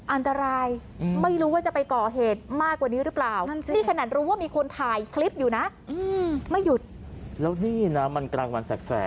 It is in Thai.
อันตรายไม่รู้ว่าจะไปก่อเหตุมากกว่านี้หรือเปล่า